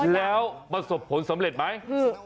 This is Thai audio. แล้วประสบผลสำเร็จไหม